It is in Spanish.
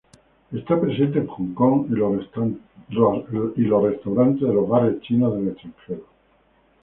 Está presente en Hong Kong y los restaurantes de los barrios chinos del extranjero.